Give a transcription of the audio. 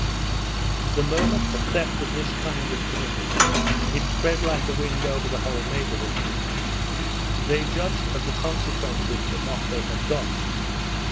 The moment a theft of this kind was committed, it spread like the wind over the whole neighbourhood. They judged of the consequences from what they had got.